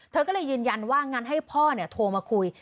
เธอก็เลยยืนยันว่างั้นให้พ่อโทรมาคุย